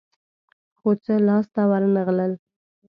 خو څه لاس ته ورنه غلل.